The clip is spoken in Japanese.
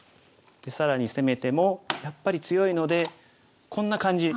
で更に攻めてもやっぱり強いのでこんな感じ。